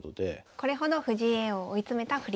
これほど藤井叡王を追い詰めた振り飛車です。